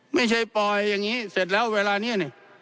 ไม่ใช่ปล่อยอย่างนี้เสร็จแล้วเวลานี้เนี่ย